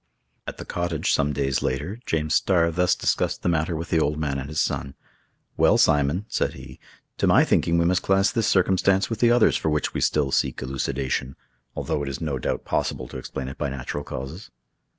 At the cottage, some days later, James Starr thus discussed the matter with the old man and his son: "Well, Simon," said he, "to my thinking we must class this circumstance with the others for which we still seek elucidation, although it is no doubt possible to explain it by natural causes."